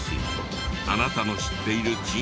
あなたの知っている珍百景